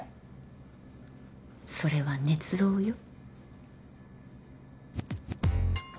それはねつ造よ。